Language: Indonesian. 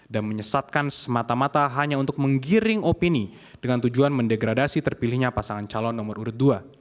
dan menyesatkan semata mata hanya untuk menggiring opini dengan tujuan mendegradasi terpilihnya pasangan calon nomor urut dua